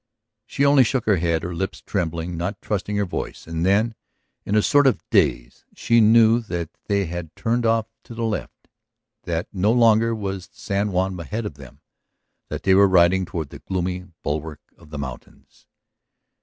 She only shook her head, her lips trembling, not trusting her voice. ... And then, in a sort of daze, she knew that they had turned off to the left, that no longer was San Juan ahead of them, that they were riding toward the gloomy bulwark of the mountains.